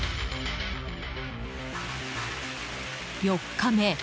４日目。